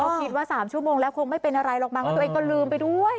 ก็คิดว่า๓ชั่วโมงแล้วคงไม่เป็นอะไรหรอกมั้งแล้วตัวเองก็ลืมไปด้วย